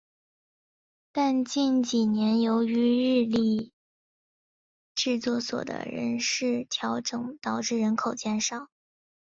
但近几年由于日立制作所的人事调整导致人口减少。